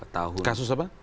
tahun kasus apa